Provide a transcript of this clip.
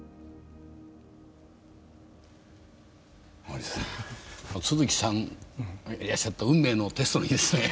森さん都築さんがいらっしゃった運命のテストの日ですね。